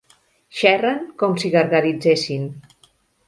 Xerren com si gargaritzessin.